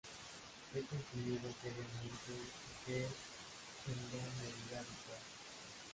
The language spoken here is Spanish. que consumimos diariamente y que es en gran medida visual